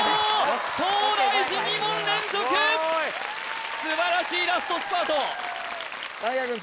東大寺２問連続素晴らしいラストスパート谷垣くん